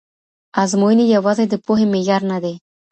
ازموینې یوازې د پوهي معیار نه دي.